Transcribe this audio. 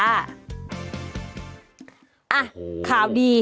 อ่ะข่าวดี